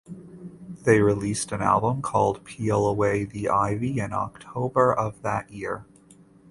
They released an album called "Peel Away the Ivy" in October of that year.